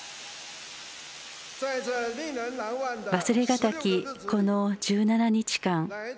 忘れがたき、この１７日間。